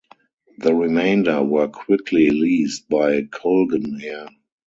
The remainder were quickly leased by Colgan Air.